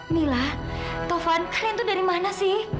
mila taufan kalian tuh dari mana sih